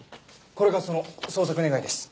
これがその捜索願です。